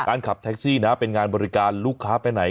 ขับแท็กซี่นะเป็นงานบริการลูกค้าไปไหน